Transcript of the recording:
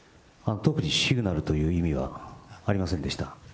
特にシグナルという意味はありませんでした。